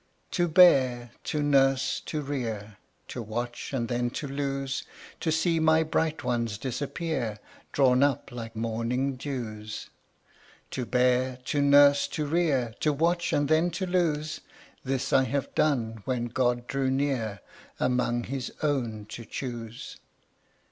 To bear, to nurse, to rear, To watch, and then to lose: To see my bright ones disappear, Drawn up like morning dews To bear, to nurse, to rear, To watch, and then to lose: This have I done when God drew near Among his own to choose.